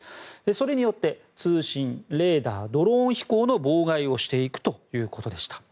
それによって通信、レーダー、ドローン飛行の妨害をしていくということでした。